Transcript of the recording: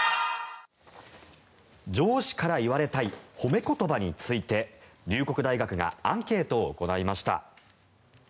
上司から言われたい褒め言葉について龍谷大学がアンケートを行いました。